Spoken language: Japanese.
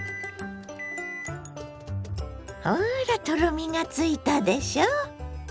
ほらとろみがついたでしょ。